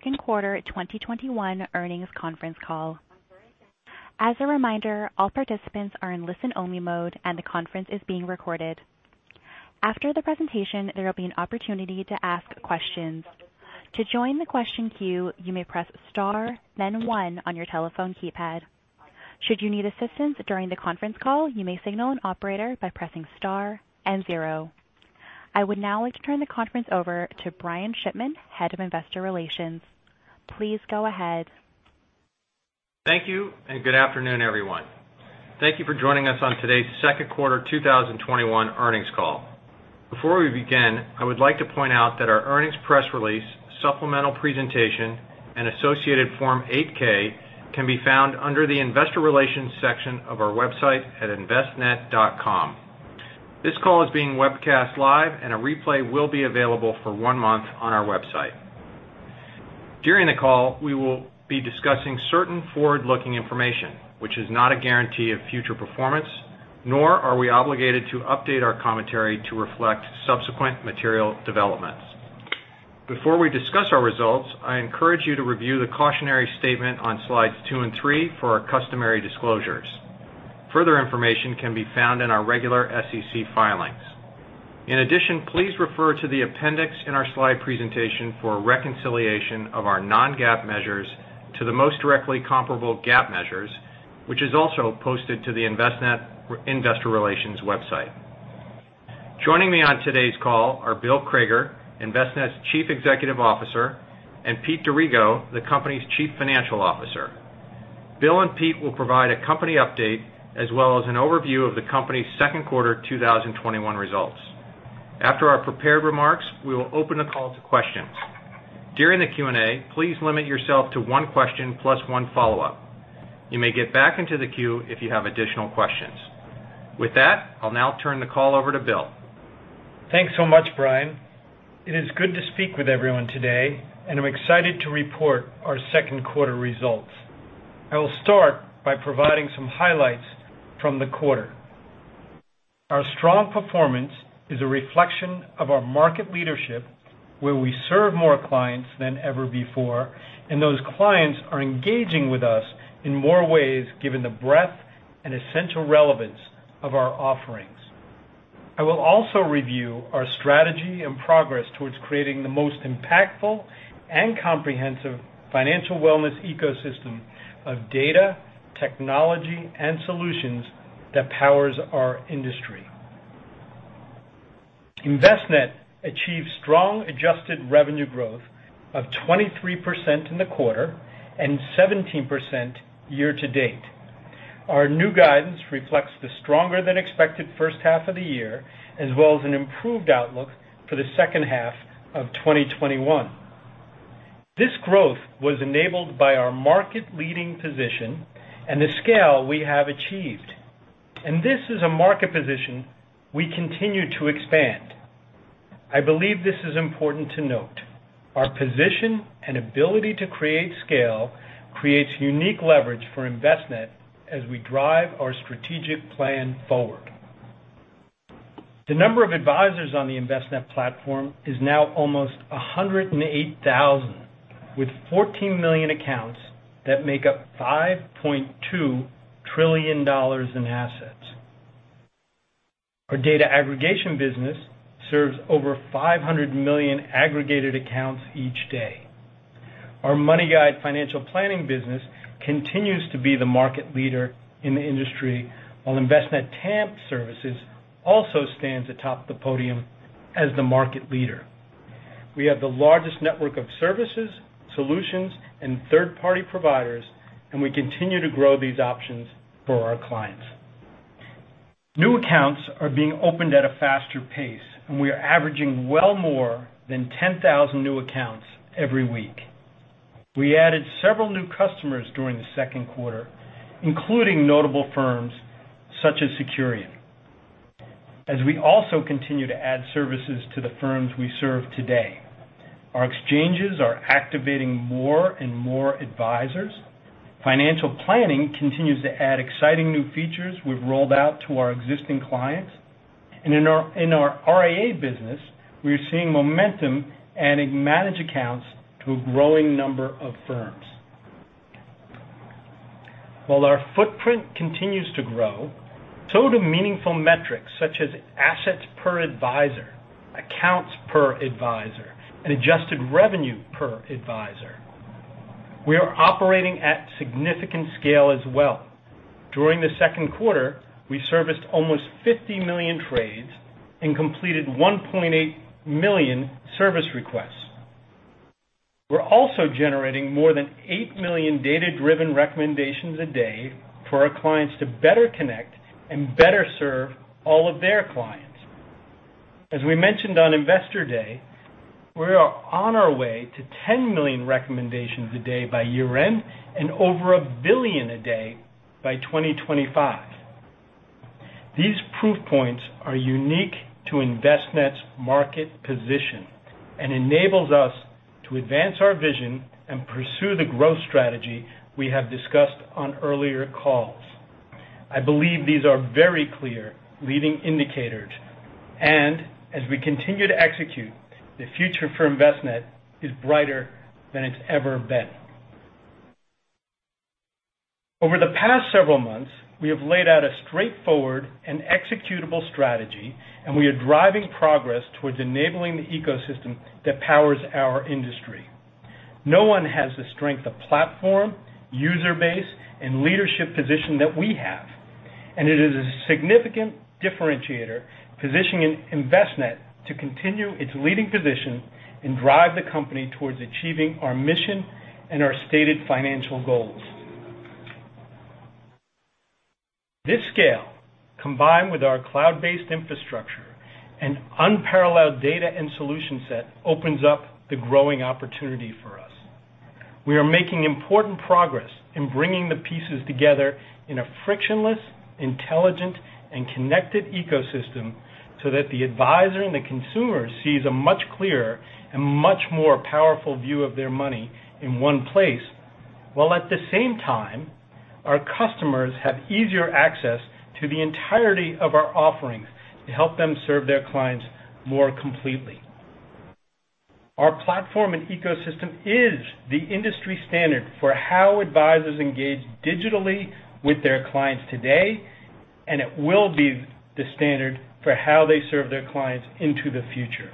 Second Quarter 2021 Earnings Conference Call. I would now like to turn the conference over to Brian Shipman, Head of Investor Relations. Please go ahead. Thank you, and good afternoon, everyone. Thank you for joining us on today's second quarter 2021 earnings call. Before we begin, I would like to point out that our earnings press release, supplemental presentation, and associated Form 8-K can be found under the investor relations section of our website at envestnet.com. This call is being webcast live, and a replay will be available for one month on our website. During the call, we will be discussing certain forward-looking information, which is not a guarantee of future performance, nor are we obligated to update our commentary to reflect subsequent material developments. Before we discuss our results, I encourage you to review the cautionary statement on slides two and three for our customary disclosures. Further information can be found in our regular SEC filings. In addition, please refer to the appendix in our slide presentation for a reconciliation of our non-GAAP measures to the most directly comparable GAAP measures, which is also posted to the Envestnet Investor Relations website. Joining me on today's call are Bill Crager, Envestnet's Chief Executive Officer, and Pete D'Arrigo, the company's Chief Financial Officer. Bill and Pete will provide a company update as well as an overview of the company's second quarter 2021 results. After our prepared remarks, we will open the call to questions. During the Q&A, please limit yourself to one question plus one follow-up. You may get back into the queue if you have additional questions. With that, I'll now turn the call over to Bill. Thanks so much, Brian. It is good to speak with everyone today, and I'm excited to report our second quarter results. I will start by providing some highlights from the quarter. Our strong performance is a reflection of our market leadership, where we serve more clients than ever before, and those clients are engaging with us in more ways given the breadth and essential relevance of our offerings. I will also review our strategy and progress towards creating the most impactful and comprehensive financial wellness ecosystem of data, technology, and solutions that powers our industry. Envestnet achieved strong adjusted revenue growth of 23% in the quarter and 17% year-to-date. Our new guidance reflects the stronger than expected first half of the year, as well as an improved outlook for the second half of 2021. This growth was enabled by our market-leading position and the scale we have achieved. This is a market position we continue to expand. I believe this is important to note. Our position and ability to create scale creates unique leverage for Envestnet as we drive our strategic plan forward. The number of advisors on the Envestnet platform is now almost 108,000, with 14 million accounts that make up $5.2 trillion in assets. Our data aggregation business serves over 500 million aggregated accounts each day. Our MoneyGuide financial planning business continues to be the market leader in the industry, while Envestnet TAMP services also stands atop the podium as the market leader. We have the largest network of services, solutions, and third-party providers, and we continue to grow these options for our clients. New accounts are being opened at a faster pace, and we are averaging well more than 10,000 new accounts every week. We added several new customers during the second quarter, including notable firms such as Securian. As we also continue to add services to the firms we serve today, our exchanges are activating more and more advisors. Financial planning continues to add exciting new features we've rolled out to our existing clients. In our RIA business, we are seeing momentum adding managed accounts to a growing number of firms. While our footprint continues to grow, so do meaningful metrics such as assets per advisor, accounts per advisor, and adjusted revenue per advisor. We are operating at significant scale as well. During the second quarter, we serviced almost 50 million trades and completed 1.8 million service requests. We're also generating more than 8 million data-driven recommendations a day for our clients to better connect and better serve all of their clients. As we mentioned on Investor Day, we are on our way to 10 million recommendations a day by year-end and over 1 billion a day by 2025. These proof points are unique to Envestnet's market position and enables us to advance our vision and pursue the growth strategy we have discussed on earlier calls. I believe these are very clear leading indicators, and as we continue to execute, the future for Envestnet is brighter than it's ever been. Over the past several months, we have laid out a straightforward and executable strategy, and we are driving progress towards enabling the ecosystem that powers our industry. No one has the strength of platform, user base, and leadership position that we have. It is a significant differentiator, positioning Envestnet to continue its leading position and drive the company towards achieving our mission and our stated financial goals. This scale, combined with our cloud-based infrastructure and unparalleled data and solution set, opens up the growing opportunity for us. We are making important progress in bringing the pieces together in a frictionless, intelligent, and connected ecosystem so that the advisor and the consumer sees a much clearer and much more powerful view of their money in one place, while at the same time, our customers have easier access to the entirety of our offerings to help them serve their clients more completely. Our platform and ecosystem is the industry standard for how advisors engage digitally with their clients today, and it will be the standard for how they serve their clients into the future.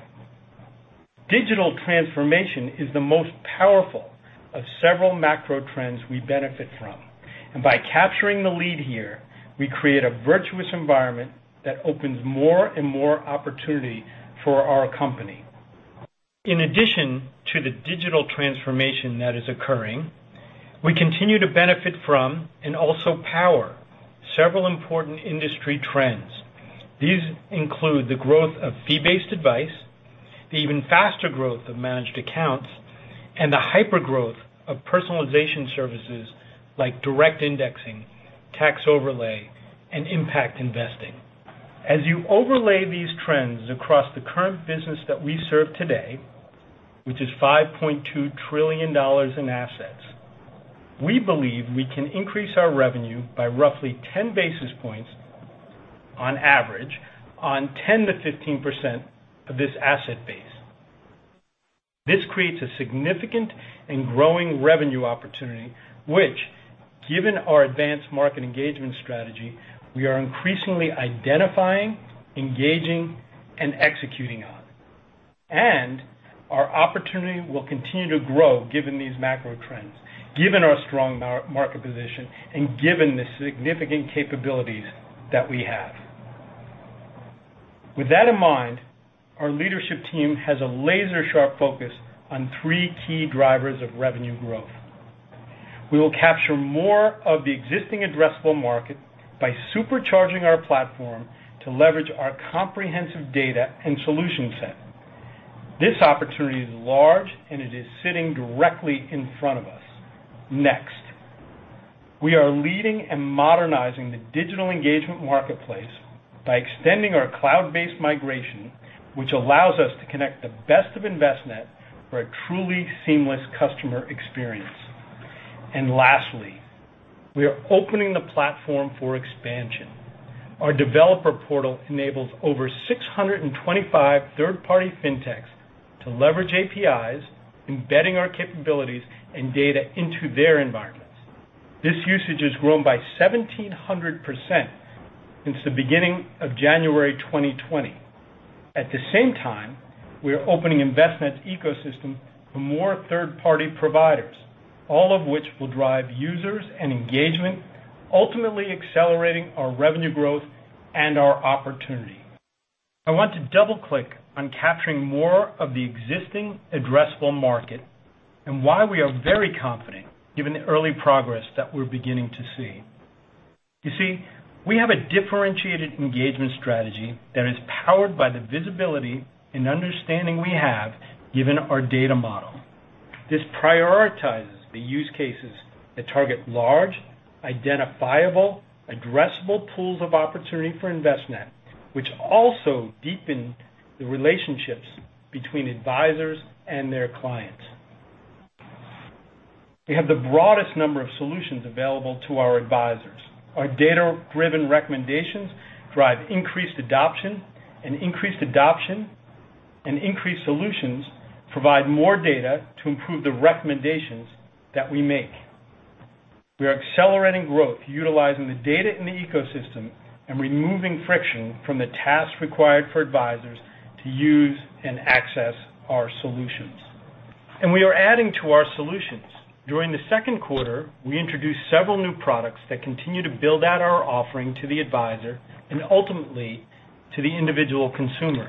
Digital transformation is the most powerful of several macro trends we benefit from, and by capturing the lead here, we create a virtuous environment that opens more and more opportunity for our company. In addition to the digital transformation that is occurring, we continue to benefit from, and also power, several important industry trends. These include the growth of fee-based advice, the even faster growth of managed accounts, and the hyper-growth of personalization services like direct indexing, tax overlay, and impact investing. As you overlay these trends across the current business that we serve today, which is $5.2 trillion in assets, we believe we can increase our revenue by roughly 10 basis points on average on 10%-15% of this asset base. This creates a significant and growing revenue opportunity, which, given our advanced market engagement strategy, we are increasingly identifying, engaging, and executing on. Our opportunity will continue to grow given these macro trends, given our strong market position, and given the significant capabilities that we have. With that in mind, our leadership team has a laser-sharp focus on three key drivers of revenue growth. We will capture more of the existing addressable market by supercharging our platform to leverage our comprehensive data and solution set. This opportunity is large, and it is sitting directly in front of us. Next, we are leading and modernizing the digital engagement marketplace by extending our cloud-based migration, which allows us to connect the best of Envestnet for a truly seamless customer experience. Lastly, we are opening the platform for expansion. Our developer portal enables over 625 third-party fintechs to leverage APIs, embedding our capabilities and data into their environments. This usage has grown by 1,700% since the beginning of January 2020. At the same time, we are opening Envestnet's ecosystem to more third-party providers, all of which will drive users and engagement, ultimately accelerating our revenue growth and our opportunity. I want to double-click on capturing more of the existing addressable market and why we are very confident given the early progress that we're beginning to see. You see, we have a differentiated engagement strategy that is powered by the visibility and understanding we have given our data model. This prioritizes the use cases that target large, identifiable, addressable pools of opportunity for Envestnet, which also deepen the relationships between advisors and their clients. We have the broadest number of solutions available to our advisors. Our data-driven recommendations drive increased adoption, and increased adoption and increased solutions provide more data to improve the recommendations that we make. We are accelerating growth utilizing the data in the ecosystem and removing friction from the tasks required for advisors to use and access our solutions. We are adding to our solutions. During the second quarter, we introduced several new products that continue to build out our offering to the advisor and ultimately to the individual consumer.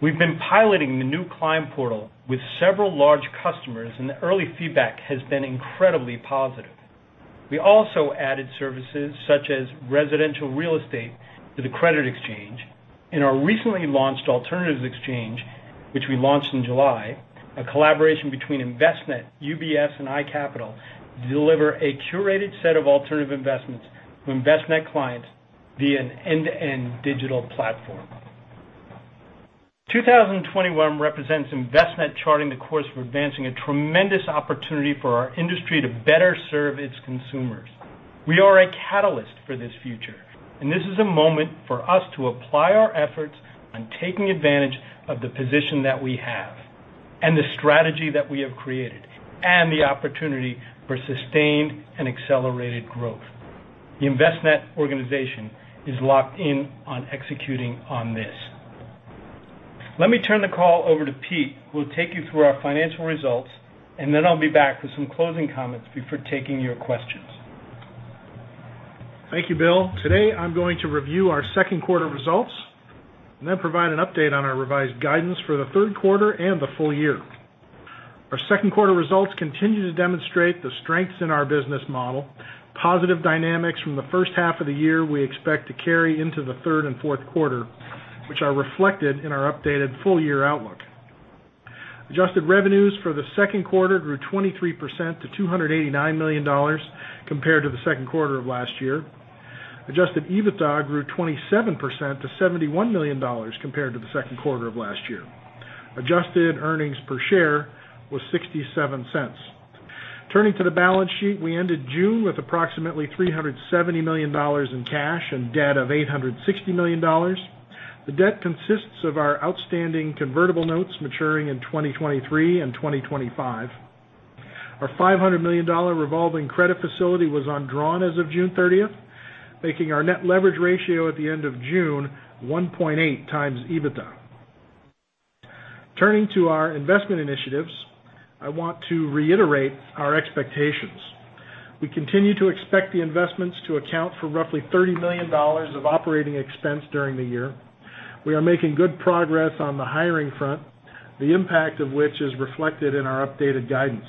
We've been piloting the new client portal with several large customers, and the early feedback has been incredibly positive. We also added services such as residential real estate to the Credit Exchange, and our recently launched Alternatives Exchange, which we launched in July, a collaboration between Envestnet, UBS, and iCapital, to deliver a curated set of alternative investments to Envestnet clients via an end-to-end digital platform. 2021 represents Envestnet charting the course for advancing a tremendous opportunity for our industry to better serve its consumers. We are a catalyst for this future. This is a moment for us to apply our efforts on taking advantage of the position that we have, and the strategy that we have created, and the opportunity for sustained and accelerated growth. The Envestnet organization is locked in on executing on this. Let me turn the call over to Pete, who will take you through our financial results. Then I'll be back for some closing comments before taking your questions. Thank you, Bill. Today, I'm going to review our second quarter results and then provide an update on our revised guidance for the third quarter and the full year. Our second quarter results continue to demonstrate the strengths in our business model. Positive dynamics from the first half of the year we expect to carry into the third and fourth quarter, which are reflected in our updated full-year outlook. Adjusted revenues for the second quarter grew 23% to $289 million compared to the second quarter of last year. Adjusted EBITDA grew 27% to $71 million compared to the second quarter of last year. Adjusted earnings per share was $0.67. Turning to the balance sheet, we ended June with approximately $370 million in cash and debt of $860 million. The debt consists of our outstanding convertible notes maturing in 2023 and 2025. Our $500 million revolving credit facility was undrawn as of June 30th, making our net leverage ratio at the end of June 1.8x EBITDA. Turning to our investment initiatives, I want to reiterate our expectations. We continue to expect the investments to account for roughly $30 million of operating expense during the year. We are making good progress on the hiring front, the impact of which is reflected in our updated guidance.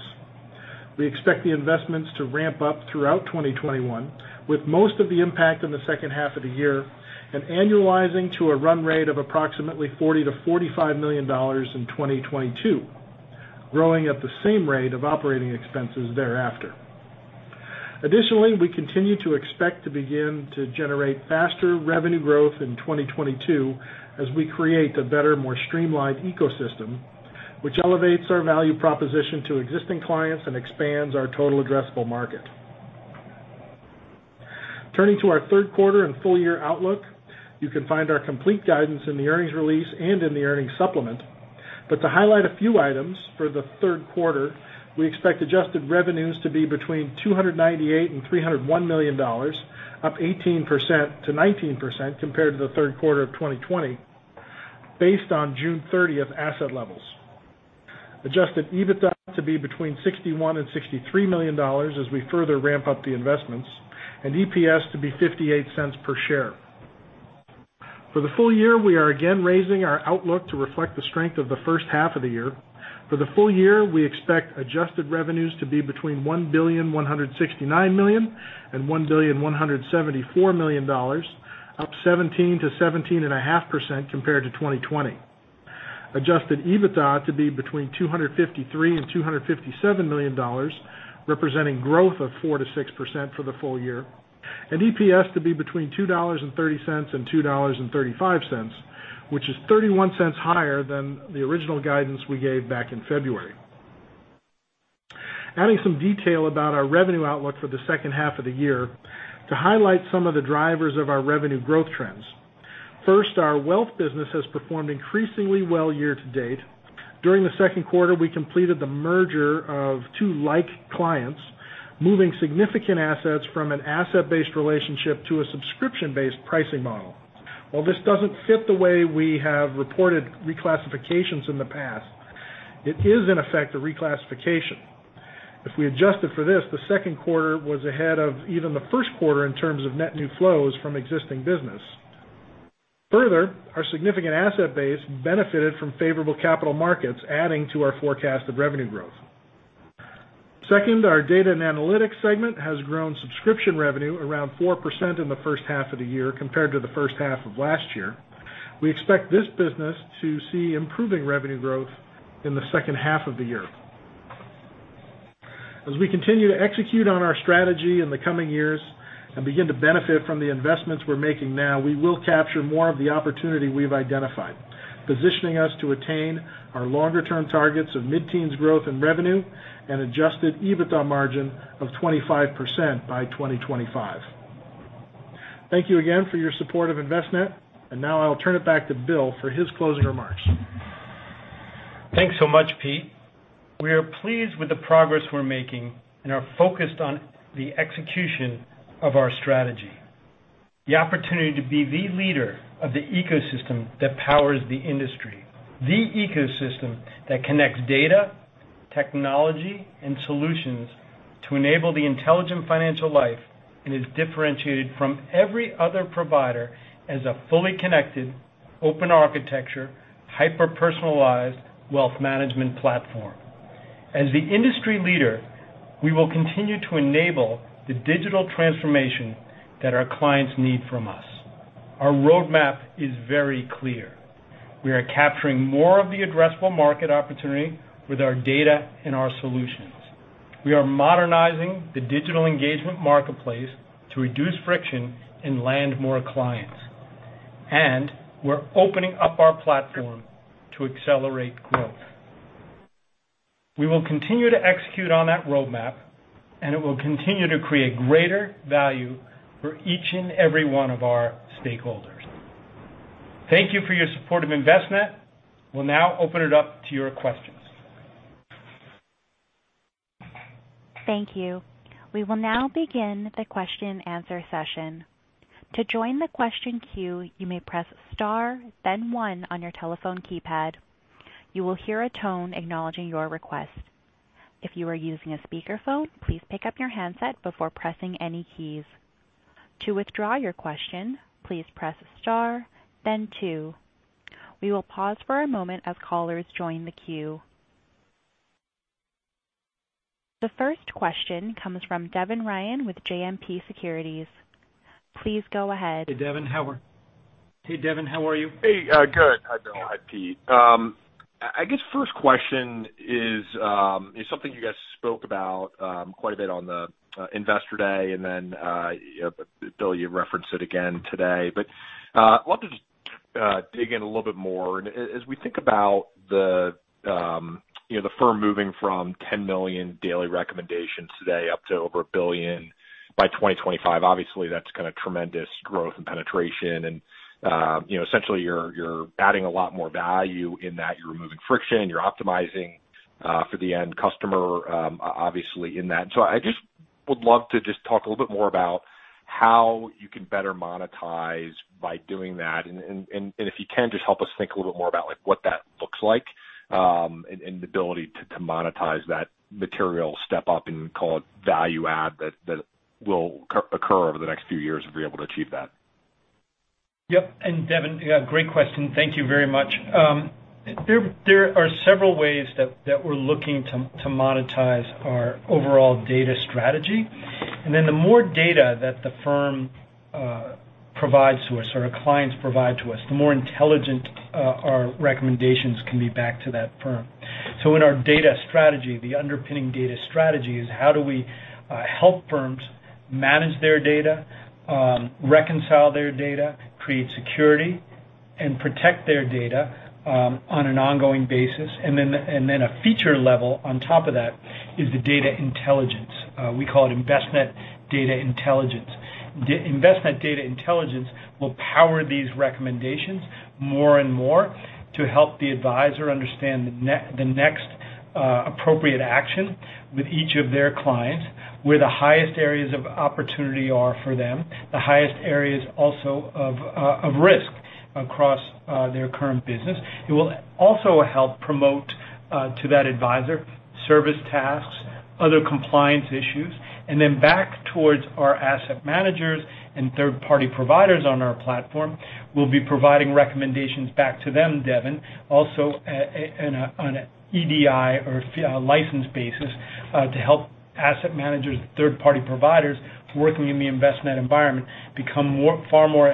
We expect the investments to ramp up throughout 2021, with most of the impact in the second half of the year and annualizing to a run rate of approximately $40 million-$45 million in 2022, growing at the same rate of operating expenses thereafter. Additionally, we continue to expect to begin to generate faster revenue growth in 2022 as we create a better, more streamlined ecosystem, which elevates our value proposition to existing clients and expands our total addressable market. Turning to our third quarter and full-year outlook, you can find our complete guidance in the earnings release and in the earnings supplement. To highlight a few items, for the third quarter, we expect adjusted revenues to be between $298 million and $301 million, up 18%-19% compared to the third quarter of 2020 based on June 30th asset levels. Adjusted EBITDA to be between $61 million and $63 million as we further ramp up the investments, and EPS to be $0.58 per share. For the full year, we are again raising our outlook to reflect the strength of the first half of the year. For the full year, we expect adjusted revenues to be between $1,169 million and $1,174 million, up 17%-17.5% compared to 2020. Adjusted EBITDA to be between $253 million and $257 million, representing growth of 4%-6% for the full year, and EPS to be between $2.30 and $2.35, which is $0.31 higher than the original guidance we gave back in February. Adding some detail about our revenue outlook for the second half of the year to highlight some of the drivers of our revenue growth trends. Our wealth business has performed increasingly well year to date. During the second quarter, we completed the merger of two like clients, moving significant assets from an asset-based relationship to a subscription-based pricing model. While this doesn't fit the way we have reported reclassifications in the past, it is in effect a reclassification. If we adjusted for this, the second quarter was ahead of even the first quarter in terms of net new flows from existing business. Further, our significant asset base benefited from favorable capital markets, adding to our forecast of revenue growth. Second, our data and analytics segment has grown subscription revenue around 4% in the first half of the year compared to the first half of last year. We expect this business to see improving revenue growth in the second half of the year. As we continue to execute on our strategy in the coming years and begin to benefit from the investments we're making now, we will capture more of the opportunity we've identified, positioning us to attain our longer-term targets of mid-teens growth in revenue and adjusted EBITDA margin of 25% by 2025. Thank you again for your support of Envestnet, and now I will turn it back to Bill for his closing remarks. Thanks so much, Pete. We are pleased with the progress we're making and are focused on the execution of our strategy. The opportunity to be the leader of the ecosystem that powers the industry, the ecosystem that connects data, technology, and solutions to enable the intelligent financial life and is differentiated from every other provider as a fully connected, open architecture, hyper-personalized wealth management platform. As the industry leader, we will continue to enable the digital transformation that our clients need from us. Our roadmap is very clear. We are capturing more of the addressable market opportunity with our data and our solutions. We are modernizing the digital engagement marketplace to reduce friction and land more clients, and we're opening up our platform to accelerate growth. We will continue to execute on that roadmap, and it will continue to create greater value for each and every one of our stakeholders. Thank you for your support of Envestnet. We'll now open it up to your questions. Thank you. We will now begin the question answer session. The first question comes from Devin Ryan with JMP Securities. Please go ahead. Hey, Devin, how are you? Hey, good. Hi, Bill. Hi, Pete. I guess first question is something you guys spoke about quite a bit on the Investor Day, and then, Bill, you referenced it again today. I wanted to just dig in a little bit more. As we think about the firm moving from 10 million daily recommendations today up to over a billion by 2025. Obviously, that's tremendous growth and penetration, and essentially you're adding a lot more value in that you're removing friction, you're optimizing for the end customer, obviously in that. I just would love to just talk a little bit more about how you can better monetize by doing that. If you can just help us think a little bit more about what that looks like, and the ability to monetize that material step up and call it value add that will occur over the next few years if you're able to achieve that. Yep. Devin, great question. Thank you very much. There are several ways that we're looking to monetize our overall data strategy. The more data that the firm provides to us, or our clients provide to us, the more intelligent our recommendations can be back to that firm. In our data strategy, the underpinning data strategy is how do we help firms manage their data, reconcile their data, create security, and protect their data, on an ongoing basis. A feature level on top of that is the data intelligence. We call it Envestnet Data Intelligence. Envestnet Data Intelligence will power these recommendations more and more to help the advisor understand the next appropriate action with each of their clients, where the highest areas of opportunity are for them, the highest areas also of risk across their current business. It will also help promote to that advisor service tasks, other compliance issues. Back towards our asset managers and third-party providers on our platform. We'll be providing recommendations back to them, Devin, also on an EDI or license basis, to help asset managers and third-party providers working in the Envestnet environment become far more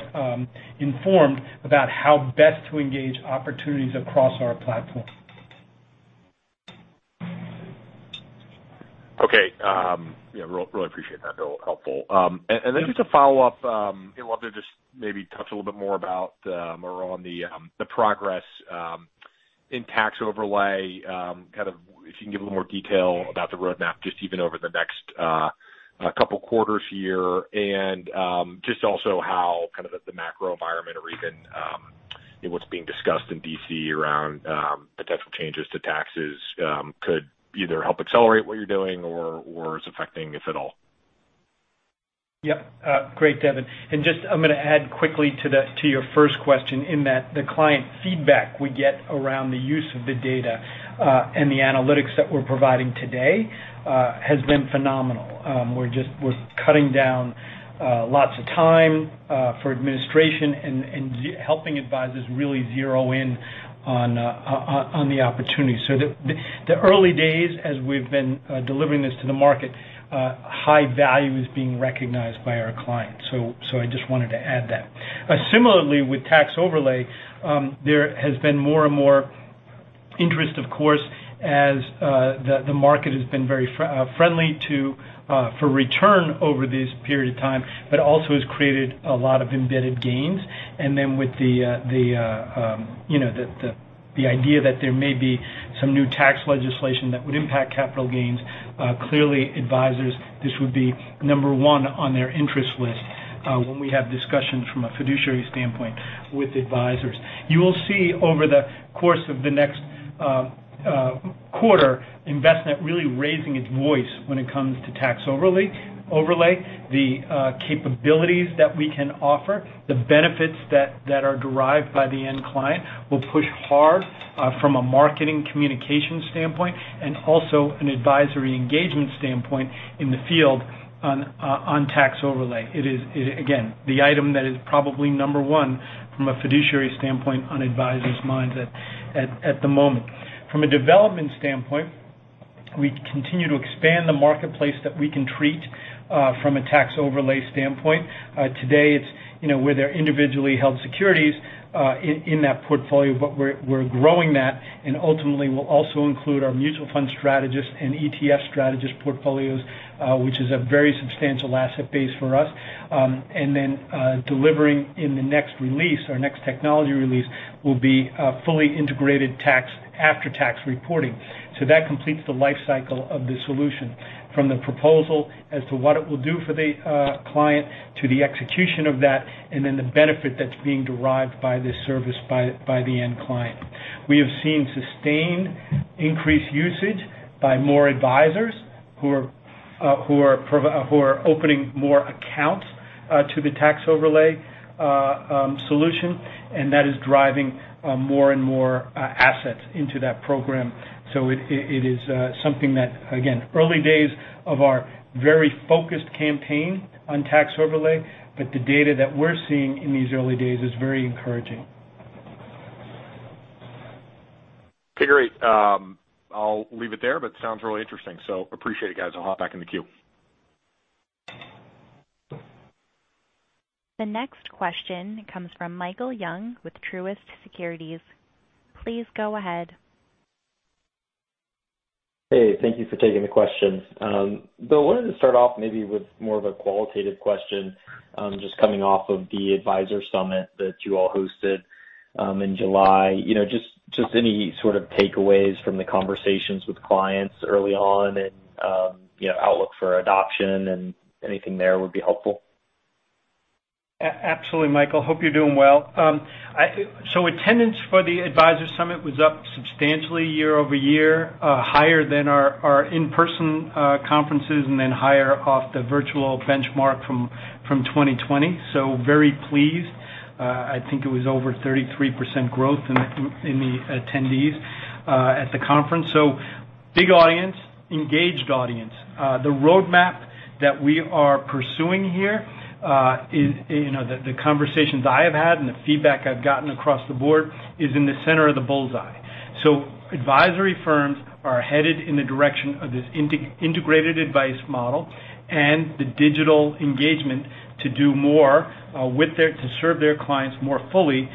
informed about how best to engage opportunities across our platform. Okay. Really appreciate that, Bill. Helpful. Just a follow-up. I wanted to just maybe touch a little bit more on the progress in tax overlay. If you can give a little more detail about the roadmap, just even over the next couple quarters here, and just also how the macro environment or even what's being discussed in D.C. around potential changes to taxes could either help accelerate what you're doing or is affecting, if at all. Yep. Great, Devin. Just, I'm going to add quickly to your first question in that the client feedback we get around the use of the data, and the analytics that we're providing today, has been phenomenal. We're cutting down lots of time for administration and helping advisors really zero in on the opportunity. The early days as we've been delivering this to the market, high value is being recognized by our clients. I just wanted to add that. Similarly, with tax overlay, there has been more and more interest, of course, as the market has been very friendly for return over this period of time, but also has created a lot of embedded gains. With the idea that there may be some new tax legislation that would impact capital gains, clearly, advisors, this would be number one on their interest list when we have discussions from a fiduciary standpoint with advisors. You will see over the course of the next quarter, Envestnet really raising its voice when it comes to tax overlay. The capabilities that we can offer, the benefits that are derived by the end client will push hard from a marketing communication standpoint and also an advisory engagement standpoint in the field on tax overlay. It is, again, the item that is probably number one from a fiduciary standpoint on advisors' minds at the moment. From a development standpoint. We continue to expand the marketplace that we can treat from a tax overlay standpoint. Today, it's where there are individually held securities in that portfolio, but we're growing that, and ultimately will also include our mutual fund strategist and ETF strategist portfolios, which is a very substantial asset base for us. Then delivering in the next release, our next technology release, will be fully integrated after tax reporting. That completes the life cycle of the solution. From the proposal as to what it will do for the client, to the execution of that, and then the benefit that's being derived by this service by the end client. We have seen sustained increased usage by more advisors who are opening more accounts to the tax overlay solution. That is driving more and more assets into that program. It is something that, again, early days of our very focused campaign on tax overlay, but the data that we're seeing in these early days is very encouraging. Okay, great. I'll leave it there. Sounds really interesting. Appreciate it, guys. I'll hop back in the queue. The next question comes from Michael Young with Truist Securities. Please go ahead. Hey, thank you for taking the questions. Bill, I wanted to start off maybe with more of a qualitative question, just coming off of the advisor summit that you all hosted in July. Just any sort of takeaways from the conversations with clients early on and outlook for adoption and anything there would be helpful. Absolutely, Michael. Hope you're doing well. Attendance for the Advisor Summit was up substantially year-over-year, higher than our in-person conferences, and then higher off the virtual benchmark from 2020. Very pleased. I think it was over 33% growth in the attendees at the conference. Big audience, engaged audience. The roadmap that we are pursuing here, the conversations I have had and the feedback I've gotten across the board, is in the center of the bullseye. Advisory firms are headed in the direction of this integrated advice model and the digital engagement to do more to serve their clients more fully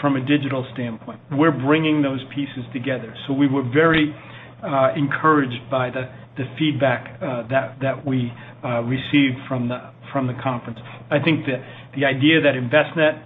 from a digital standpoint. We're bringing those pieces together. We were very encouraged by the feedback that we received from the conference. I think that the idea that Envestnet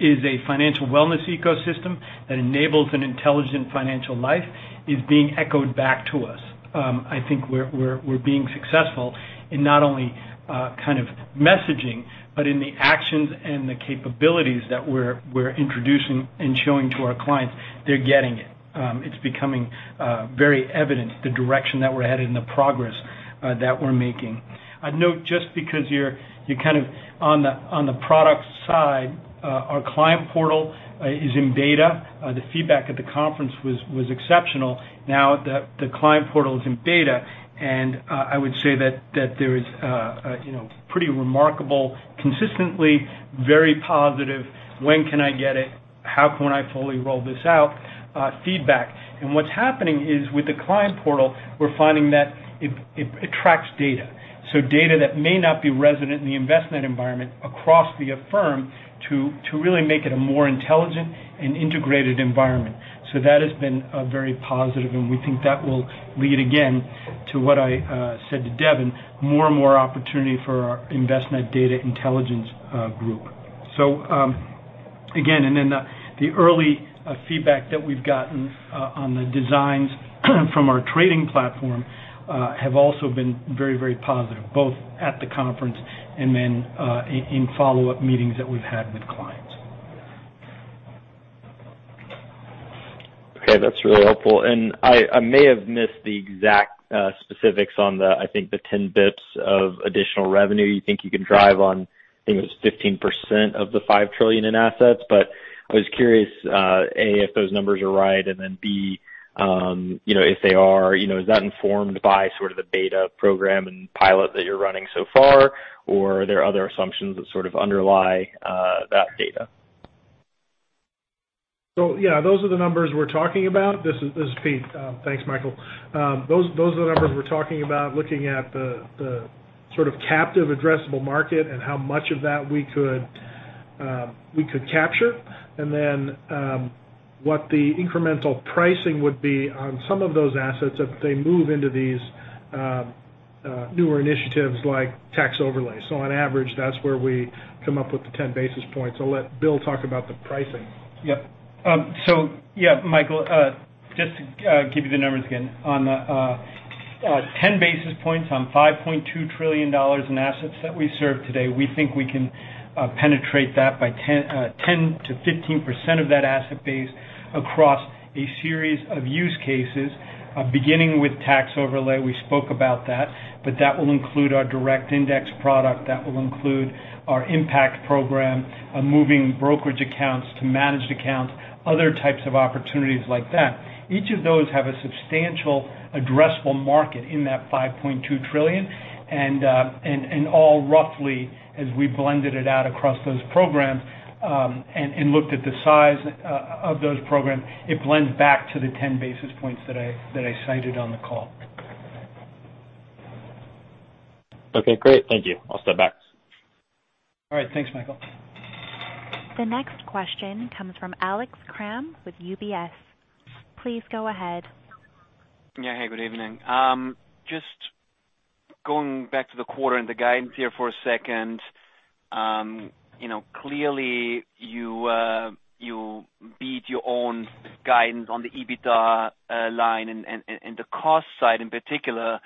is a financial wellness ecosystem that enables an intelligent financial life is being echoed back to us. I think we're being successful in not only kind of messaging, but in the actions and the capabilities that we're introducing and showing to our clients. They're getting it. It's becoming very evident the direction that we're headed and the progress that we're making. I'd note, just because you're kind of on the product side, our client portal is in beta. The feedback at the conference was exceptional now that the client portal is in beta. I would say that there is pretty remarkable, consistently very positive, "When can I get it? How can I fully roll this out?" feedback. What's happening is, with the client portal, we're finding that it attracts data. Data that may not be resident in the Envestnet environment across the firm to really make it a more intelligent and integrated environment. That has been very positive, and we think that will lead, again, to what I said to Devin, more and more opportunity for our Envestnet Data Intelligence group. Again, the early feedback that we've gotten on the designs from our trading platform have also been very, very positive, both at the conference and then in follow-up meetings that we've had with clients. Okay. That's really helpful. I may have missed the exact specifics on the, I think the 10 basis points of additional revenue you think you can drive on, I think it was 15% of the $5 trillion in assets. I was curious, A, if those numbers are right, and then, B, if they are, is that informed by sort of the beta program and pilot that you're running so far? Are there other assumptions that sort of underlie that data? Yeah, those are the numbers we're talking about. This is Pete. Thanks, Michael. Those are the numbers we're talking about, looking at the sort of captive addressable market and how much of that we could capture. What the incremental pricing would be on some of those assets if they move into these newer initiatives like tax overlay. On average, that's where we come up with the 10 basis points. I'll let Bill talk about the pricing. Michael, just to give you the numbers again. On the 10 basis points on $5.2 trillion in assets that we serve today, we think we can penetrate that by 10%-15% of that asset base across a series of use cases, beginning with tax overlay. We spoke about that. That will include our direct index product. That will include our impact program, moving brokerage accounts to managed accounts, other types of opportunities like that. Each of those have a substantial addressable market in that $5.2 trillion, all roughly as we blended it out across those programs and looked at the size of those programs, it blends back to the 10 basis points that I cited on the call. Okay, great. Thank you. I'll step back. All right. Thanks, Michael. The next question comes from Alex Kramm with UBS. Please go ahead. Yeah. Hey, good evening. Just going back to the quarter and the guidance here for a second. Clearly, you beat your own guidance on the EBITDA line and the cost side in particular.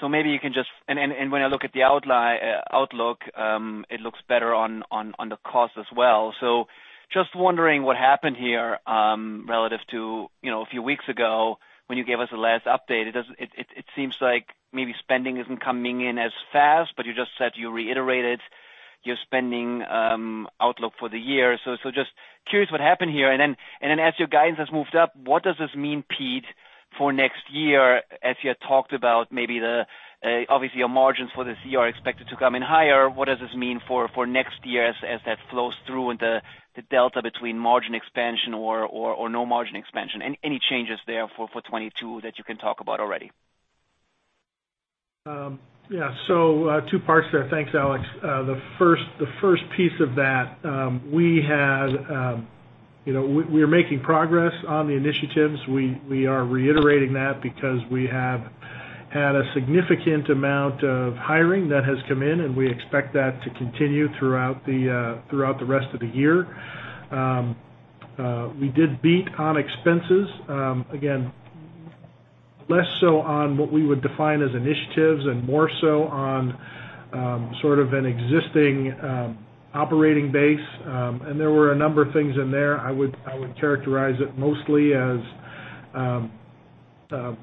When I look at the outlook, it looks better on the cost as well. Just wondering what happened here, relative to a few weeks ago when you gave us the last update. It seems like maybe spending isn't coming in as fast. You just said you reiterated your spending outlook for the year. Just curious what happened here. As your guidance has moved up, what does this mean, Pete, for next year as you had talked about Obviously, your margins for this year are expected to come in higher. What does this mean for next year as that flows through into the delta between margin expansion or no margin expansion? Any changes there for 2022 that you can talk about already? Yeah. Two parts there. Thanks, Alex. The first piece of that, we are making progress on the initiatives. We are reiterating that because we have had a significant amount of hiring that has come in, and we expect that to continue throughout the rest of the year. We did beat on expenses. Again, less so on what we would define as initiatives and more so on sort of an existing operating base. There were a number of things in there. I would characterize it mostly as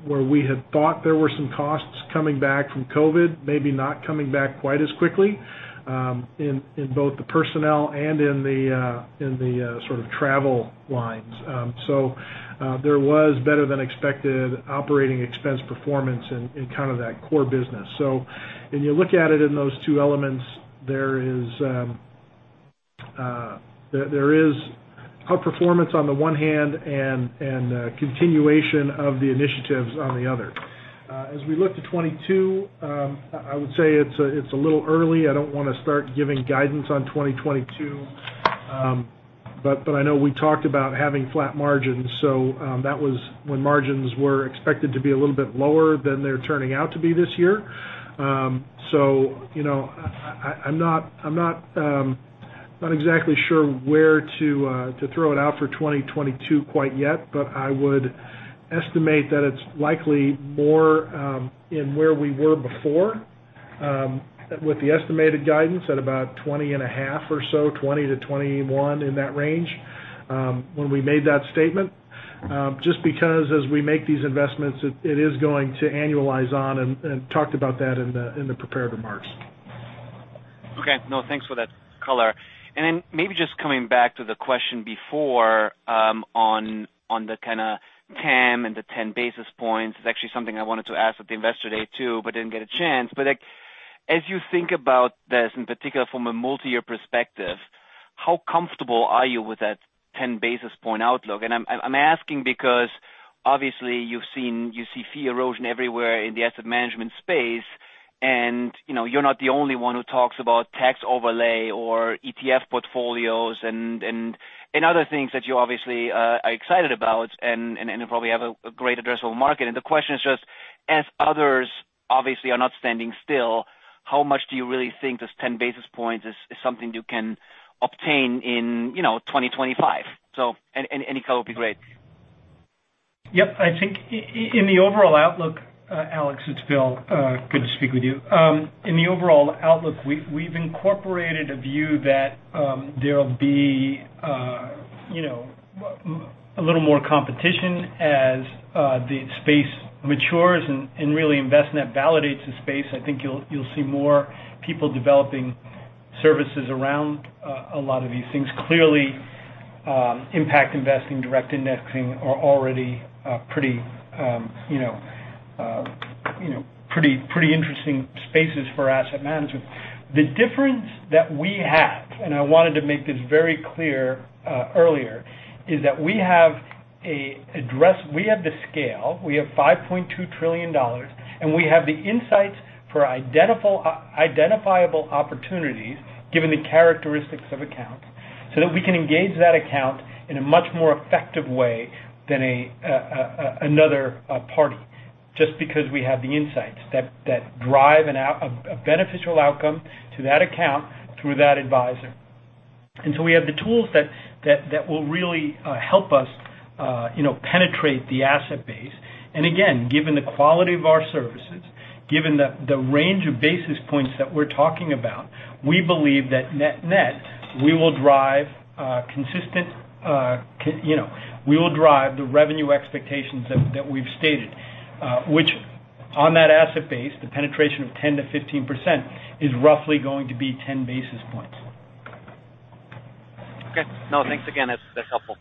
where we had thought there were some costs coming back from COVID, maybe not coming back quite as quickly, in both the personnel and in the sort of travel lines. There was better than expected operating expense performance in kind of that core business. When you look at it in those two elements, there is outperformance on the one hand and a continuation of the initiatives on the other. As we look to 2022, I would say it's a little early. I don't want to start giving guidance on 2022. I know we talked about having flat margins, so that was when margins were expected to be a little bit lower than they're turning out to be this year. I'm not exactly sure where to throw it out for 2022 quite yet, but I would estimate that it's likely more in where we were before, with the estimated guidance at about 20.5% or so, 20%-21%, in that range, when we made that statement. Just because as we make these investments, it is going to annualize on, and talked about that in the prepared remarks. Okay. No, thanks for that color. Maybe just coming back to the question before, on the kind of TAM and the 10 basis points. It's actually something I wanted to ask at the investor day, too, but didn't get a chance. As you think about this, in particular from a multi-year perspective, how comfortable are you with that 10 basis point outlook? I'm asking because obviously you see fee erosion everywhere in the asset management space, and you're not the only one who talks about tax overlay or ETF portfolios and other things that you obviously are excited about, and probably have a great addressable market. The question is just, as others obviously are not standing still, how much do you really think this 10 basis points is something you can obtain in 2025? Any color would be great. I think in the overall outlook, Alex, it's Bill, good to speak with you. In the overall outlook, we've incorporated a view that there'll be a little more competition as the space matures and really Envestnet validates the space. I think you'll see more people developing services around a lot of these things. Clearly, impact investing, direct indexing are already pretty interesting spaces for asset management. The difference that we have, and I wanted to make this very clear earlier, is that we have the scale. We have $5.2 trillion, and we have the insights for identifiable opportunities, given the characteristics of accounts, so that we can engage that account in a much more effective way than another party, just because we have the insights that drive a beneficial outcome to that account through that advisor. We have the tools that will really help us penetrate the asset base. Again, given the quality of our services, given the range of basis points that we're talking about, we believe that net, we will drive the revenue expectations that we've stated. Which on that asset base, the penetration of 10%-15% is roughly going to be 10 basis points. Okay. No, thanks again. That's helpful.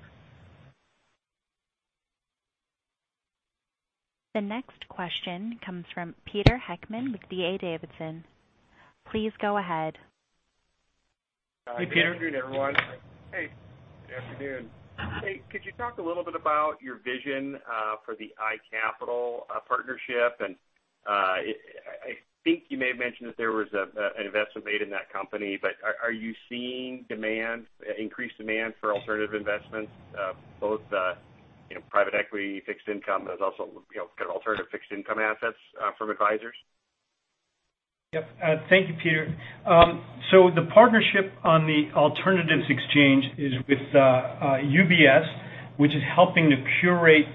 The next question comes from Peter Heckmann with D.A. Davidson. Please go ahead. Hi, good afternoon, everyone. Hey, good afternoon. Hey, could you talk a little bit about your vision for the iCapital partnership? I think you may have mentioned that there was an investment made in that company. Are you seeing increased demand for alternative investments, both private equity, fixed income, there's also alternative fixed income assets from advisors? Thank you, Peter. The partnership on the Alternatives Exchange is with UBS, which is helping to curate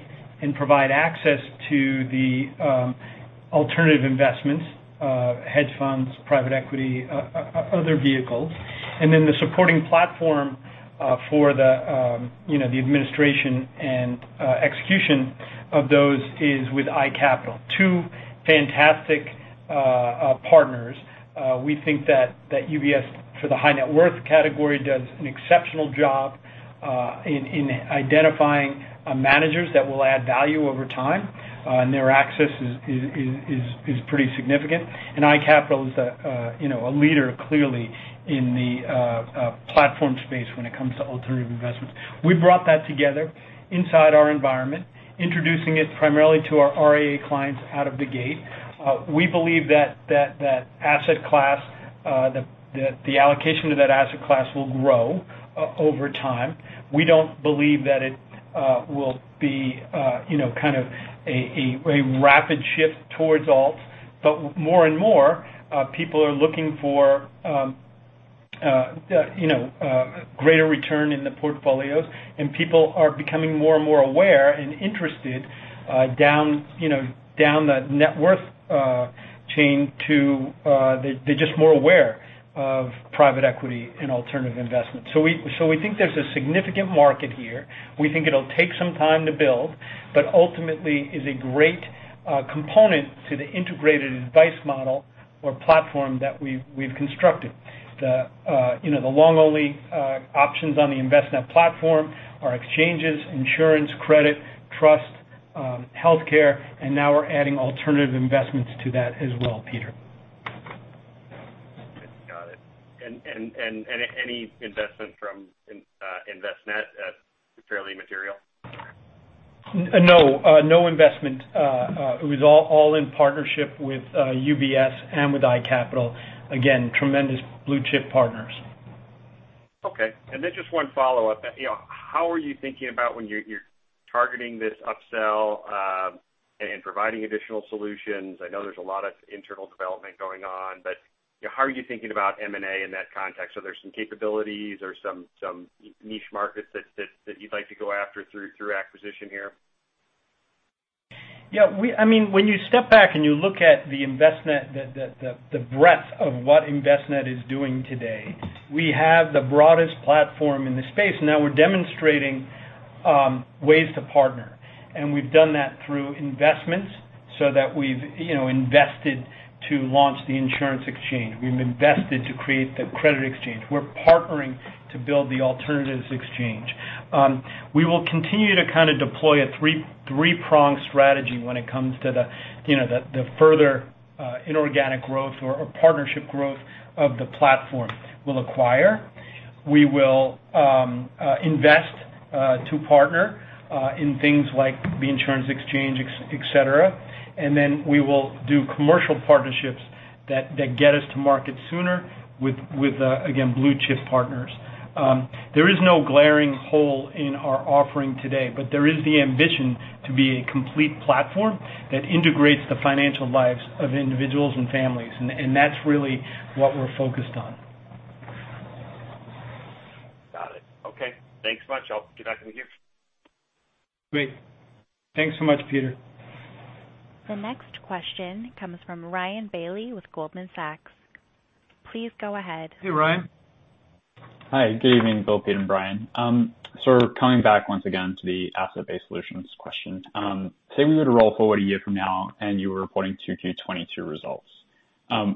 and provide access to the alternative investments, hedge funds, private equity, other vehicles. The supporting platform for the administration and execution of those is with iCapital. Two fantastic partners. We think that UBS, for the high net worth category, does an exceptional job in identifying managers that will add value over time. Their access is pretty significant. iCapital is a leader, clearly, in the platform space when it comes to alternative investments. We brought that together inside our environment, introducing it primarily to our RIA clients out of the gate. We believe that the allocation to that asset class will grow over time. We don't believe that it will be a rapid shift towards Alts, but more and more people are looking for greater return in the portfolios, and people are becoming more and more aware and interested down the net worth chain. They're just more aware of private equity and alternative investments. We think there's a significant market here. We think it'll take some time to build, but ultimately is a great component to the integrated advice model or platform that we've constructed. The long only options on the Envestnet platform are exchanges, insurance, credit, trust, healthcare, and now we're adding alternative investments to that as well, Peter. Got it. Any investment from Envestnet that's fairly material? No. No investment. It was all in partnership with UBS and with iCapital. Again, tremendous blue-chip partners. Okay. Just one follow-up. How are you thinking about when you're targeting this upsell and providing additional solutions? I know there's a lot of internal development going on, how are you thinking about M&A in that context? Are there some capabilities or some niche markets that you'd like to go after through acquisition here? Yeah. When you step back and you look at the breadth of what Envestnet is doing today, we have the broadest platform in the space, and now we're demonstrating ways to partner. We've done that through investments, so that we've invested to launch the Insurance Exchange. We've invested to create the Credit Exchange. We're partnering to build the Alternatives Exchange. We will continue to deploy a three-pronged strategy when it comes to the further inorganic growth or partnership growth of the platform. We'll acquire, we will invest to partner in things like the Insurance Exchange, et cetera. We will do commercial partnerships that get us to market sooner with, again, blue-chip partners. There is no glaring hole in our offering today. There is the ambition to be a complete platform that integrates the financial lives of individuals and families. That's really what we're focused on. Got it. Okay. Thanks much. I'll get back to you. Great. Thanks so much, Peter. The next question comes from Ryan Bailey with Goldman Sachs. Please go ahead. Hey, Ryan. Hi. Good evening, Bill, Pete, and Brian. Coming back once again to the asset-based solutions question. Say we were to roll forward a year from now and you were reporting 2Q 2022 results.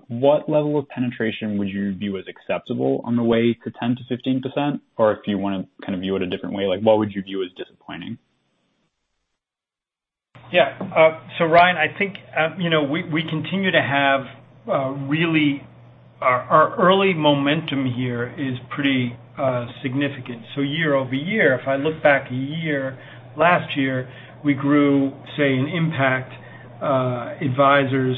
What level of penetration would you view as acceptable on the way to 10%-15%? If you want to view it a different way, what would you view as disappointing? Yeah. Ryan, I think our early momentum here is pretty significant. Year-over-year, if I look back a year, last year, we grew, say, in impact advisors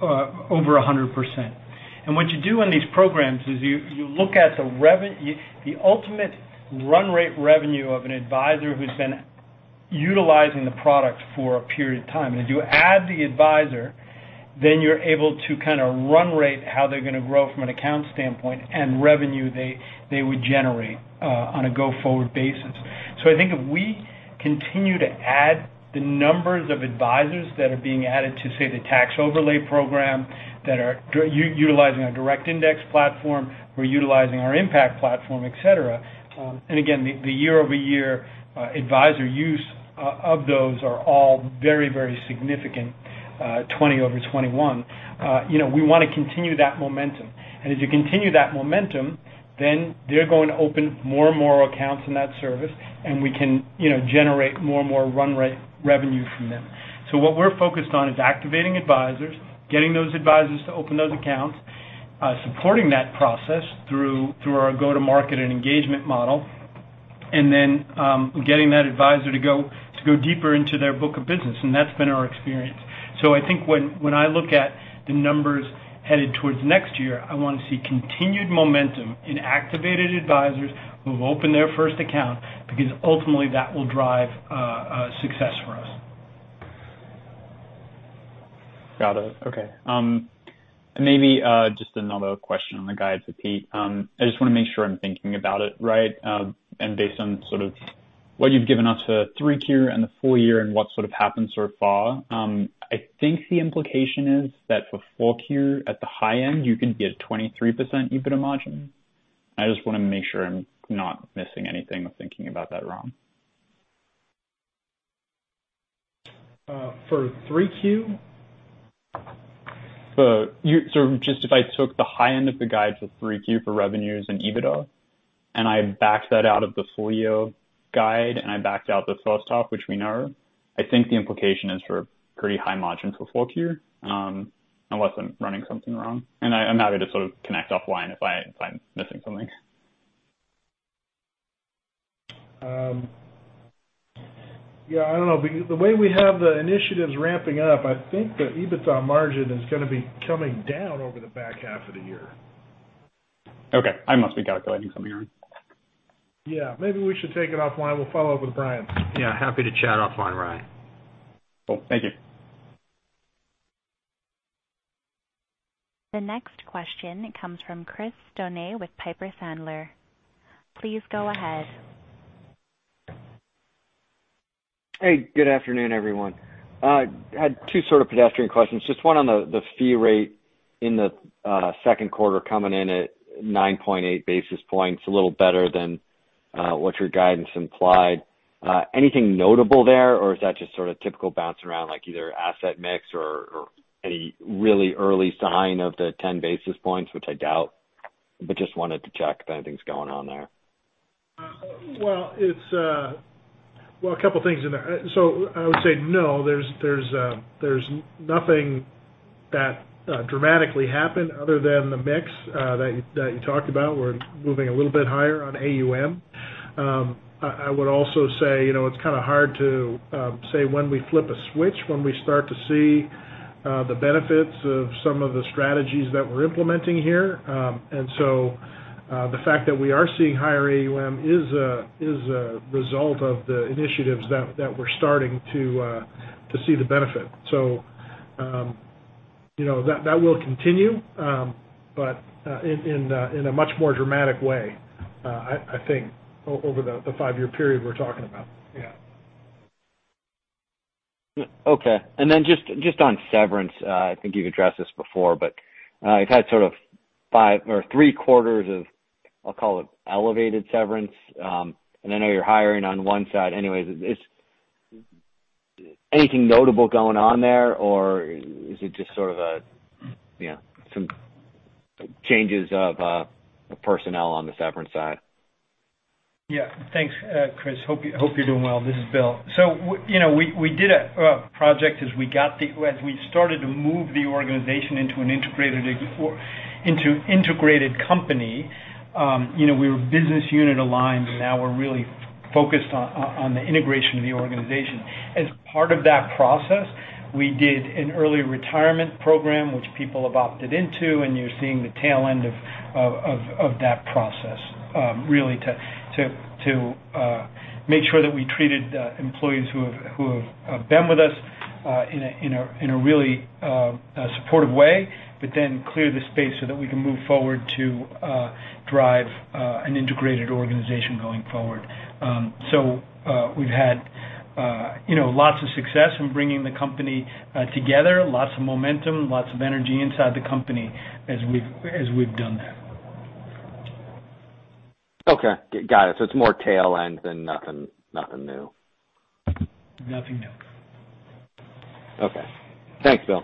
over 100%. What you do in these programs is you look at the ultimate run rate revenue of an advisor who's been utilizing the product for a period of time. As you add the advisor, then you're able to run rate how they're going to grow from an account standpoint and revenue they would generate on a go-forward basis. I think if we continue to add the numbers of advisors that are being added to, say, the tax overlay program, that are utilizing our Direct Index Platform or utilizing our Impact Platform, et cetera. Again, the year-over-year advisor use of those are all very significant, 2020 over 2021. We want to continue that momentum. As you continue that momentum, then they're going to open more and more accounts in that service, and we can generate more and more run rate revenue from them. What we're focused on is activating advisors, getting those advisors to open those accounts, supporting that process through our go-to-market and engagement model Getting that advisor to go deeper into their book of business. That's been our experience. I think when I look at the numbers headed towards next year, I want to see continued momentum in activated advisors who have opened their first account, because ultimately that will drive success for us. Got it. Okay. Maybe just another question on the guide for Pete. I just want to make sure I'm thinking about it right. Based on sort of what you've given us for 3Q and the full year and what sort of happened so far, I think the implication is that for 4Q at the high end, you can get a 23% EBITDA margin. I just want to make sure I'm not missing anything or thinking about that wrong. For 3Q? Just if I took the high end of the guide for 3Q for revenues and EBITDA, and I backed that out of the full-year guide, and I backed out the soft top, which we know, I think the implication is for pretty high margins for 4Q. Unless I'm running something wrong. I'm happy to sort of connect offline if I'm missing something. Yeah, I don't know. The way we have the initiatives ramping up, I think the EBITDA margin is going to be coming down over the back half of the year. Okay. I must be calculating something wrong. Yeah, maybe we should take it offline. We'll follow up with Brian. Yeah, happy to chat offline, Ryan. Cool. Thank you. The next question comes from Chris Donat with Piper Sandler. Please go ahead. Hey, good afternoon, everyone. I had two sort of pedestrian questions. Just one on the fee rate in the second quarter coming in at 9.8 basis points, a little better than what your guidance implied. Anything notable there, or is that just sort of typical bounce around like either asset mix or any really early sign of the 10 basis points, which I doubt, but just wanted to check if anything's going on there. Well, a couple things in there. I would say, no, there's nothing that dramatically happened other than the mix that you talked about. We're moving a little bit higher on AUM. I would also say it's kind of hard to say when we flip a switch, when we start to see the benefits of some of the strategies that we're implementing here. The fact that we are seeing higher AUM is a result of the initiatives that we're starting to see the benefit. That will continue, but in a much more dramatic way, I think, over the five-year period we're talking about. Yeah. Okay. Then just on severance, I think you've addressed this before, but you've had sort of five or three quarters of, I'll call it elevated severance. I know you're hiring on one side anyway. Is anything notable going on there, or is it just sort of some changes of personnel on the severance side? Yeah. Thanks, Chris. Hope you're doing well. This is Bill. We did a project as we started to move the organization into an integrated company. We were business unit aligned, and now we're really focused on the integration of the organization. As part of that process, we did an early retirement program which people have opted into, and you're seeing the tail end of that process, really to make sure that we treated employees who have been with us in a really supportive way, clear the space so that we can move forward to drive an integrated organization going forward. We've had lots of success in bringing the company together, lots of momentum, lots of energy inside the company as we've done that. Okay. Got it. It's more tail end than nothing new. Nothing new. Okay. Thanks, Bill.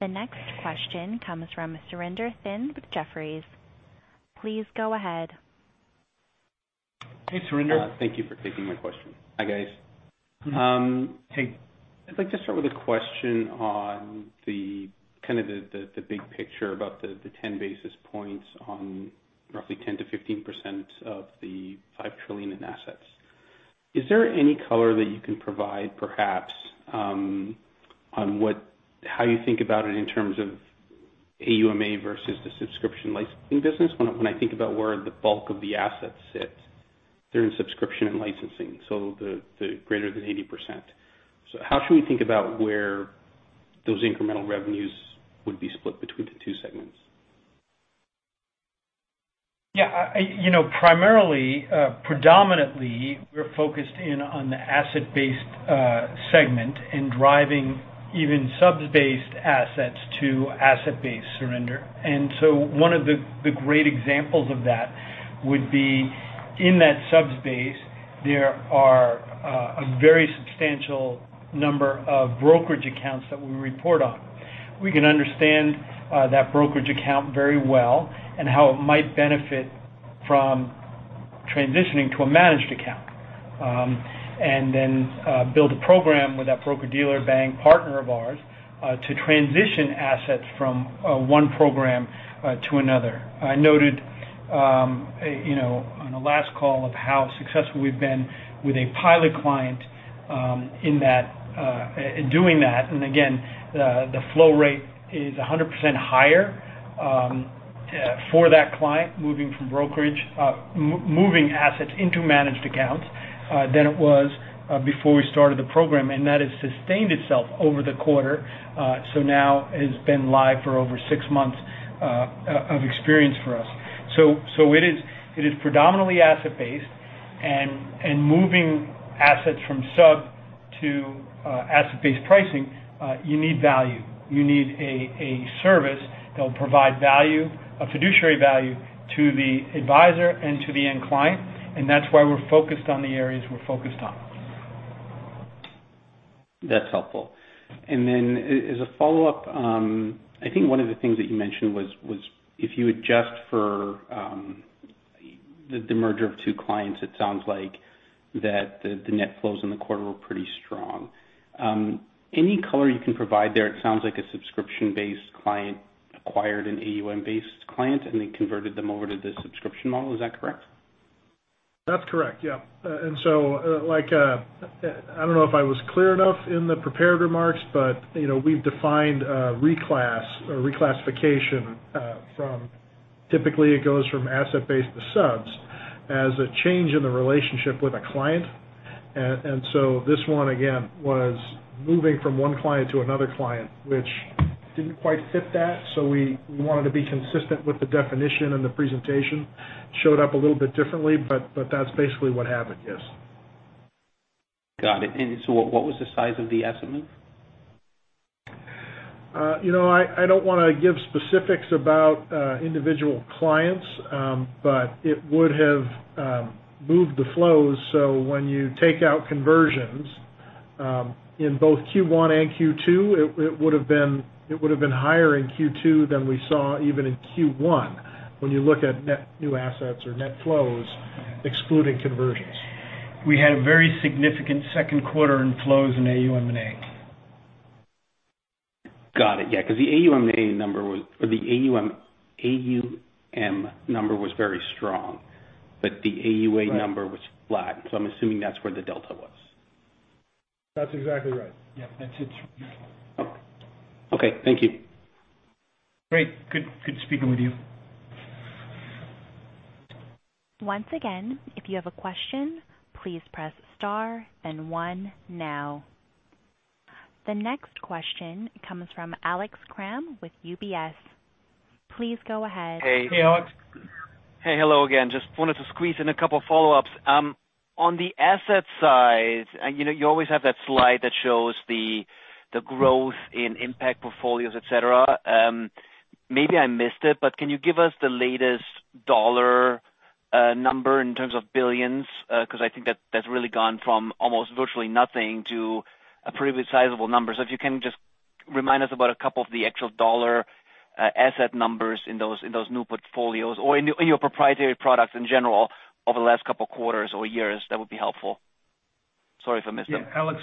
The next question comes from Surinder Thind with Jefferies. Please go ahead. Hey, Surinder. Thank you for taking my question. Hi, guys. Hey. I'd like to start with a question on the big picture about the 10 basis points on roughly 10%-15% of the $5 trillion in assets. Is there any color that you can provide perhaps, on how you think about it in terms of AUMA versus the subscription licensing business? When I think about where the bulk of the assets sit, they're in subscription and licensing, so the greater than 80%. How should we think about where those incremental revenues would be split between the two segments? Yeah. Primarily, predominantly, we're focused in on the asset-based segment and driving even subs-based assets to asset-based surrender. One of the great examples of that would be in that subs base, there are a very substantial number of brokerage accounts that we report on. We can understand that brokerage account very well and how it might benefit from transitioning to a managed account, and then build a program with that broker-dealer bank partner of ours to transition assets from one program to another. I noted on the last call of how successful we've been with a pilot client in doing that. Again, the flow rate is 100% higher for that client moving assets into managed accounts than it was before we started the program. That has sustained itself over the quarter, so now has been live for over six months of experience for us. It is predominantly asset-based and moving assets from sub to asset-based pricing, you need value. You need a service that will provide fiduciary value to the advisor and to the end client, and that's why we're focused on the areas we're focused on. That's helpful. As a follow-up, I think one of the things that you mentioned was if you adjust for the merger of two clients, it sounds like that the net flows in the quarter were pretty strong. Any color you can provide there? It sounds like a subscription-based client acquired an AUM-based client, and they converted them over to the subscription model. Is that correct? That's correct. Yeah. I don't know if I was clear enough in the prepared remarks, but we've defined reclass or reclassification from, typically it goes from asset-based to subs, as a change in the relationship with a client. This one, again, was moving from one client to another client, which didn't quite fit that. We wanted to be consistent with the definition, and the presentation showed up a little bit differently, but that's basically what happened. Yes. Got it. What was the size of the estimate? I don't want to give specifics about individual clients, but it would have moved the flows. When you take out conversions in both Q1 and Q2, it would've been higher in Q2 than we saw even in Q1 when you look at net new assets or net flows excluding conversions. We had a very significant second quarter in flows in AUM and AUMA. Got it. Yeah, the AUM number was very strong, the AUA number was flat. I'm assuming that's where the delta was. That's exactly right. Yeah, that's it. Okay. Thank you. Great. Good speaking with you. Once again, if you have a question, please press star and one now. The next question comes from Alex Kramm with UBS. Please go ahead. Hey, Alex. Hey. Hello again. Just wanted to squeeze in a couple of follow-ups. On the asset side, you always have that slide that shows the growth in impact portfolios, et cetera. Maybe I missed it, but can you give us the latest dollar number in terms of billions? I think that's really gone from almost virtually nothing to a pretty sizable number. So if you can just remind us about a couple of the actual dollar asset numbers in those new portfolios or in your proprietary products in general over the last couple of quarters or years, that would be helpful. Sorry if I missed it. Yeah, Alex.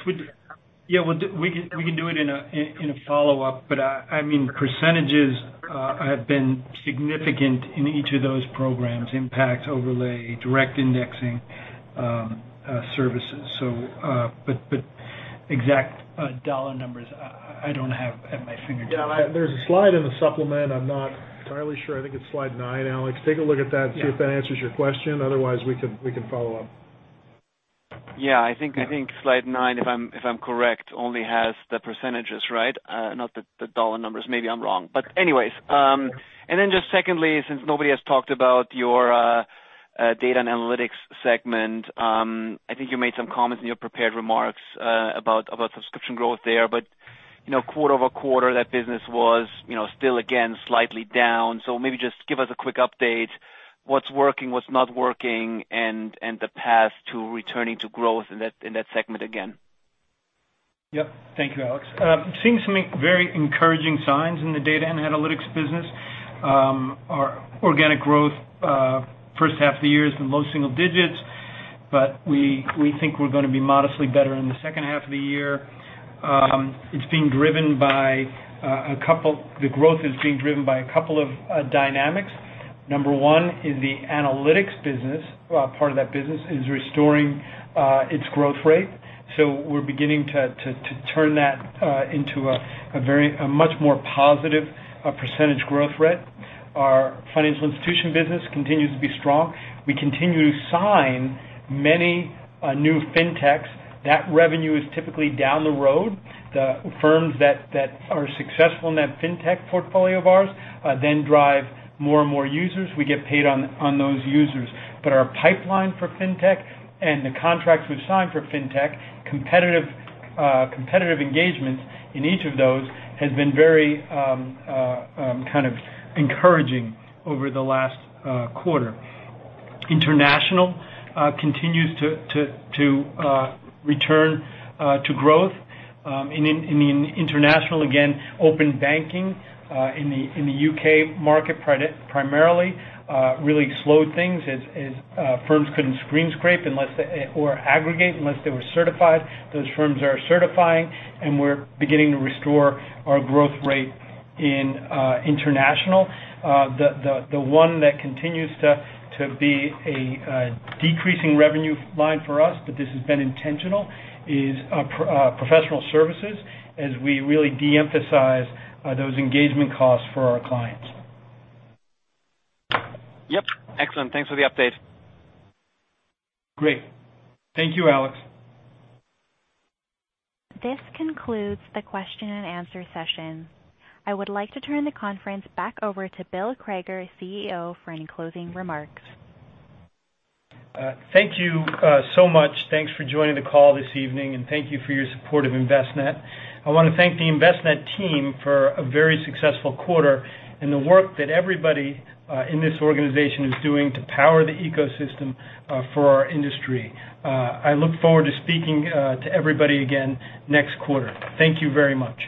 We can do it in a follow-up, percentages have been significant in each of those programs, impact overlay, direct indexing services. Exact dollar numbers, I don't have at my fingertips. Yeah. There's a slide in the supplement. I'm not entirely sure. I think it's slide nine, Alex. Take a look at that and see if that answers your question. Otherwise, we can follow up. Yeah. I think slide nine, if I'm correct, only has the percentages, right? Not the dollar numbers. Maybe I'm wrong. Anyways, just secondly, since nobody has talked about your data and analytics segment, I think you made some comments in your prepared remarks about subscription growth there. Quarter-over-quarter, that business was still, again, slightly down. Maybe just give us a quick update. What's working, what's not working, and the path to returning to growth in that segment again. Yep. Thank you, Alex. Seeing some very encouraging signs in the data and analytics business. Our organic growth first half of the year is in low single digits, but we think we're going to be modestly better in the second half of the year. The growth is being driven by a couple of dynamics. Number one is the analytics business. Part of that business is restoring its growth rate. We're beginning to turn that into a much more positive percentage growth rate. Our financial institution business continues to be strong. We continue to sign many new fintechs. That revenue is typically down the road. The firms that are successful in that fintech portfolio of ours then drive more and more users. We get paid on those users. Our pipeline for fintech and the contracts we've signed for fintech, competitive engagements in each of those has been very encouraging over the last quarter. International continues to return to growth. In international, again, open banking in the U.K. market primarily really slowed things as firms couldn't screen scrape or aggregate unless they were certified. Those firms are certifying, and we're beginning to restore our growth rate in international. The one that continues to be a decreasing revenue line for us, but this has been intentional, is professional services, as we really de-emphasize those engagement costs for our clients. Yep. Excellent. Thanks for the update. Great. Thank you, Alex. This concludes the question and answer session. I would like to turn the conference back over to Bill Crager, CEO, for any closing remarks. Thank you so much. Thanks for joining the call this evening, and thank you for your support of Envestnet. I want to thank the Envestnet team for a very successful quarter and the work that everybody in this organization is doing to power the ecosystem for our industry. I look forward to speaking to everybody again next quarter. Thank you very much.